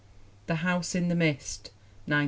The House in the Mist, 1905.